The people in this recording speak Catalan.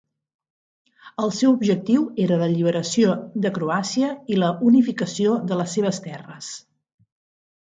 El seu objectiu era l'alliberació de Croàcia i la unificació de les seves terres.